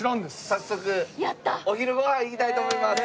早速お昼ご飯行きたいと思います。